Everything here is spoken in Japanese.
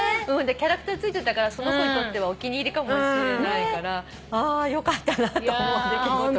キャラクター付いてたからその子にとってはお気に入りかもしれないからああよかったなと思う出来事がありました。